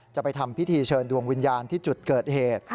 จะไปทำพิธีเชิญดวงวิญญาณที่จุดเกิดเหตุ